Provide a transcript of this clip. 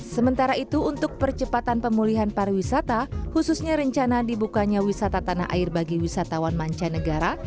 sementara itu untuk percepatan pemulihan pariwisata khususnya rencana dibukanya wisata tanah air bagi wisatawan mancanegara